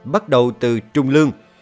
bắt đầu từ trung lương